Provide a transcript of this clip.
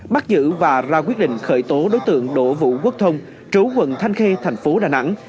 bắt giữ và ra quyết định khởi tố đối tượng đỗ vũ quốc thông trú quận thanh khê thành phố đà nẵng